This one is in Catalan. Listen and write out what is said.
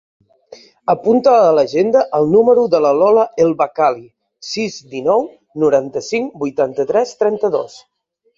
Apunta a l'agenda el número de la Lola El Bakkali: sis, dinou, noranta-cinc, vuitanta-tres, trenta-dos.